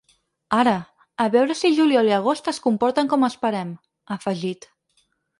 “Ara, a veure si juliol i agost es comporten com esperem”, ha afegit.